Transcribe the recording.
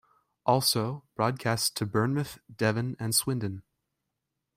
Also, broadcast to Bournemouth, Devon, and Swindon.